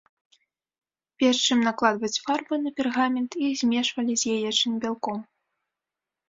Перш чым накладваць фарбы на пергамент, іх змешвалі з яечным бялком.